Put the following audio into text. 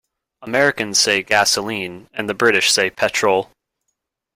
Americans say gasoline and the British say petrol.